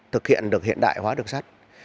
thực hiện được hiện đại hóa đường sắt